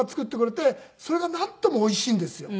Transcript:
それがなんともおいしいんですよ。